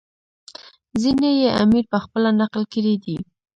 ځینې یې امیر پخپله نقل کړي دي.